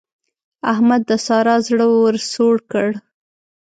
احمد د سارا زړه ور سوړ کړ.